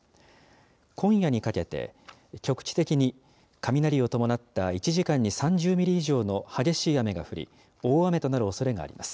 今夜にかけて、局地的に雷を伴った１時間に３０ミリ以上の激しい雨が降り、大雨となるおそれがあります。